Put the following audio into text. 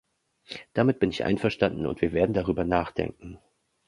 Damit bin ich einverstanden und wir werden darüber nachdenken.